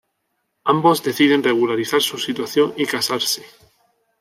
Ambos deciden regularizar su situación y casarse.